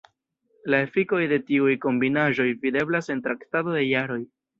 La efikoj de tiuj kombinaĵoj videblas en traktado de jaroj.